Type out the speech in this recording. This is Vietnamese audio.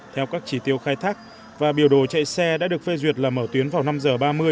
theo các chỉ tiêu khai thác và biểu đồ chạy xe đã được phê duyệt là mở tuyến vào năm h ba mươi